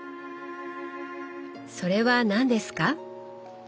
それは何ですか？